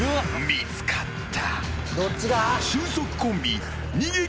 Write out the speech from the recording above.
見つかった。